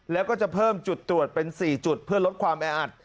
แล้วก็จะเพิ่มจุดตรวจเป็น๔จุดเพื่อลดความแออัด